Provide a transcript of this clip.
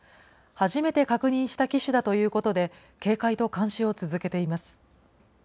初めて確認した機種だということで、警戒と監視を続けています。